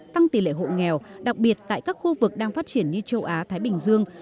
tăng tỷ lệ hộ nghèo đặc biệt tại các khu vực đang phát triển như châu á thái bình dương